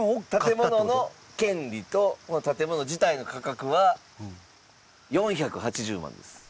建物の権利と建物自体の価格は４８０万です。